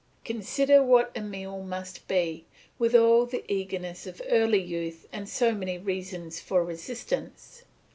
Consider what Emile must be, with all the eagerness of early youth and so many reasons for resistance!